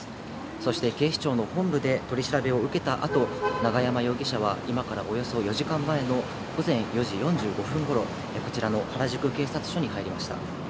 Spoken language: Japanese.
そして警視庁の本部で取り調べを受けた後、永山容疑者は今からおよそ４時間前の午前４時４５分ごろ、こちらの原宿警察署に入りました。